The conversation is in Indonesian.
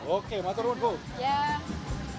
oke matur pun bu